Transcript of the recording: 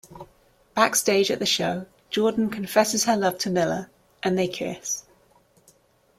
Backstage at the show, Jordan confesses her love to Miller and they kiss.